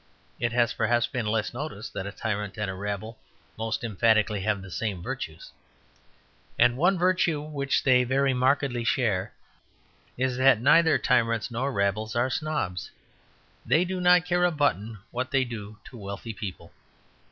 It has perhaps been less noticed that a tyrant and a rabble most emphatically have the same virtues. And one virtue which they very markedly share is that neither tyrants nor rabbles are snobs; they do not care a button what they do to wealthy people.